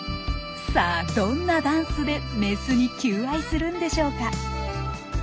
さあどんなダンスでメスに求愛するんでしょうか？